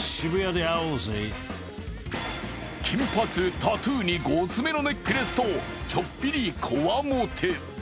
金髪、タトゥーに、ごつめのネックレスと、ちょっぴりこわもて。